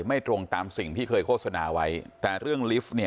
ไม่ตรงตามสิ่งที่เคยโฆษณาไว้แต่เรื่องลิฟต์เนี่ย